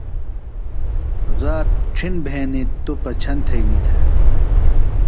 رات ڇِھݨ بھینیۡ توۡ پچھن تھئینی تھےۡ۔